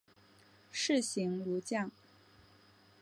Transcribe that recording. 士行如将。